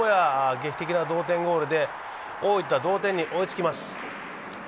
劇的な同点ゴールで大分、同点に追いつきます。